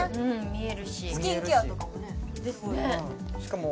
スキンケアとかもね